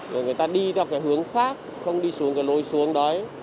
rồi người ta đi theo cái hướng khác không đi xuống cái lối xuống đấy